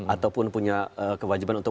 ataupun punya kewajiban untuk